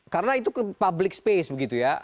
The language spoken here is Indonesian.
karena itu ke public space begitu ya